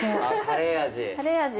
カレー味